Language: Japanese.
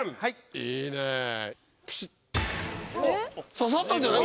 刺さったんじゃない？